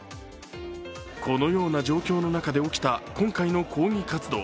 このような状況の中で起きた今回の抗議活動。